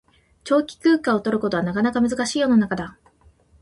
長期休暇を取ることはなかなか難しい世の中だ